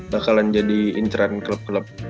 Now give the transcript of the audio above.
bakalan jadi internet klub klub